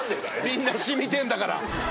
みんな染みてんだから。